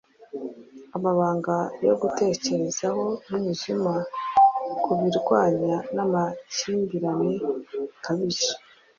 Amabanga yo gutekerezaho Umwijima Kubirwanya namakimbirane bikabije,